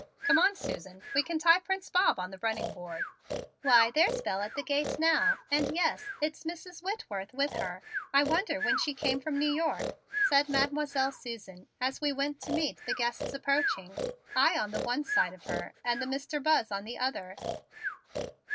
"Come on, Susan, we can tie Prince Bob on the running board." "Why, there's Belle at the gate now and yes it's Mrs. Whitworth with her. I wonder when she came from New York," said Mademoiselle Susan as we went to meet the guests approaching, I on the one side of her and the Mr. Buzz on the other.